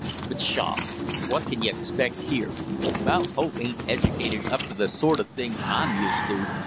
But pshaw! What can you expect here? Mount Hope ain't educated up to the sort of thing I'm used to!